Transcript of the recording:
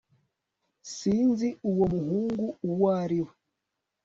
sinzi uwo muhungu uwo ari we